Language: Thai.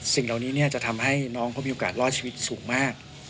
สิ่งเหล่านี้จะทำให้น้องเขามีโอกาสรอดชีวิตสูงมาก